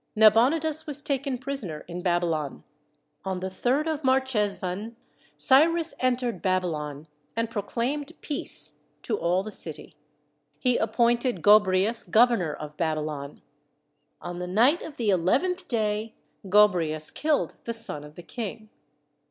Nabonidus was taken prisoner in Babylon. On the third of Marches van Cyrus entered Babylon and proclaimed peace to all the city. He appointed Gobrias governor of Baby lon. On the night of the eleventh day Gobrias killed the son of the King.